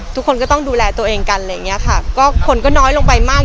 ทุกคนก็ต้องดูแลตัวเองก็คนก็คงน้อยหลงไปมาก